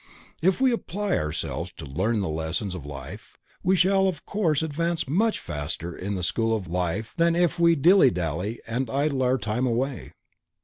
If we apply ourselves to learn the lessons of life, we shall of course advance much faster in the school of life than if we dilly dally and idle our time away.